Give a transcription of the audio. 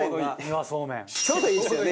ちょうどいいですよね